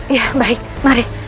iya baik mari